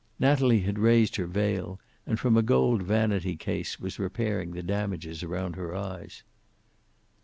Natalie had raised her veil, and from a gold vanity case was repairing the damages around her eyes.